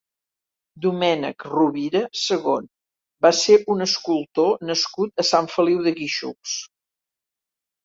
Domènec Rovira segon va ser un escultor nascut a Sant Feliu de Guíxols.